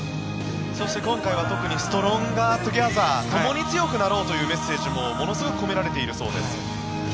そして今回は特にストロンガー、トゥギャザーともに強くなろうというメッセージもものすごく込められているそうです。